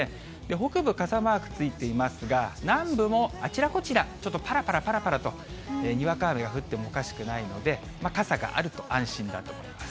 北部、傘マークついていますが、南部もあちらこちら、ちょっとぱらぱらぱらぱらと、にわか雨が降ってもおかしくないので、傘があると安心だと思います。